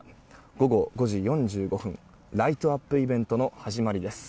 午後５時４５分ライトアップイベントの始まりです。